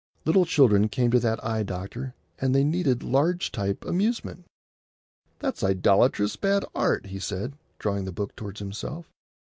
Little children came to that eye doctor, and they needed large type amusement. "That's idolatrous bad Art," he said, drawing the book towards himself.